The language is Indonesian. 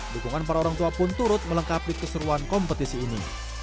dukungan para orang tua pun turut melengkapi keseruan kompetisi ini